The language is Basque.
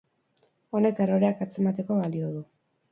Honek erroreak atzemateko balio du.